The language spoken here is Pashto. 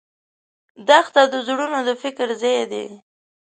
دښته د زړونو د فکر ځای دی.